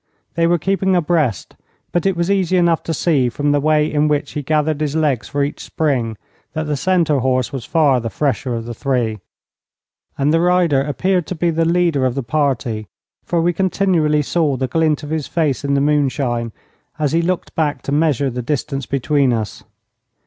They were keeping abreast, but it was easy enough to see from the way in which he gathered his legs for each spring that the centre horse was far the fresher of the three. And the rider appeared to be the leader of the party, for we continually saw the glint of his face in the moonshine as he looked back to measure the distance between us.